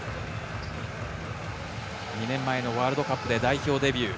２年前のワールドカップで代表デビュー。